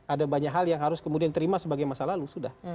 ada banyak hal yang harus kemudian diterima sebagai masa lalu sudah